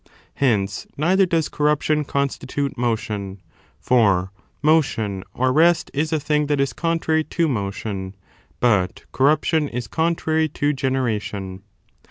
Hence neither does cor ruption constitute motion, for motion or rest is a thing that is contrary to motion, but corruption is contrary to genera tion.